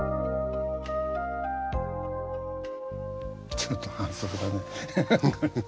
ちょっと反則だね。